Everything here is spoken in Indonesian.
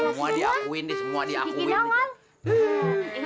semua diakuin semua diakuin